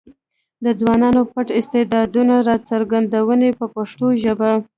د ځوانانو پټ استعدادونه راڅرګندوي په پښتو ژبه.